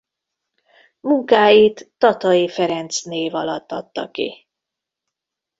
Munkáit Tatai Ferenc név alatt adta ki.